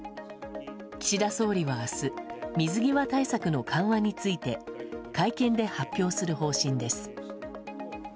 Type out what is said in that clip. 岸田総理は明日、水際対策の緩和について会見で発表する方針です。